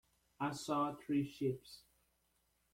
I saw three ships.